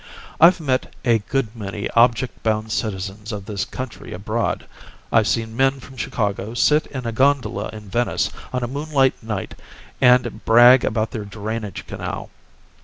I've met a good many object bound citizens of this country abroad. I've seen men from Chicago sit in a gondola in Venice on a moonlight night and brag about their drainage canal.